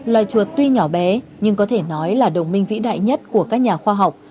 loài chuột tuy nhỏ bé nhưng có thể nói là đồng minh vĩ đại nhất của các nhà khoa học